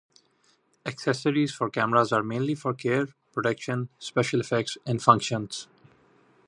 Accessories for cameras are mainly for care, protection, special effects and functions.